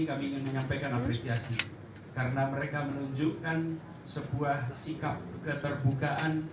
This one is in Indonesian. kami ingin menyampaikan apresiasi karena mereka menunjukkan sebuah sikap keterbukaan